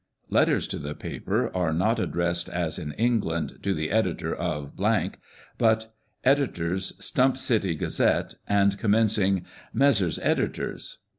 Letters to the paper are not addressed as in England " To the Editor of ," but " Editors Stump City Gazette," and commencing "Messrs. Editors."